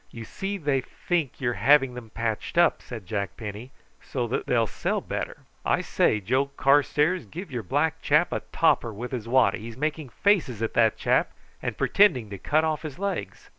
"You see they think you're having 'em patched up," said Jack Penny, "so as they'll sell better. I say, Joe Carstairs, give your black fellow a topper with his waddy; he's making faces at that chap, and pretending to cut off his legs."